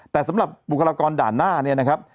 แต่สำหรับบุคลากรด่านหน้า